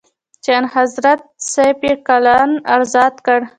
چي آنحضرت ص یې قلباً آزرده کړ.